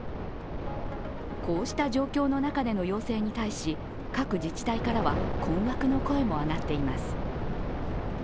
こうした状況の中での要請に対し、各自治体からは困惑の声も上がっています。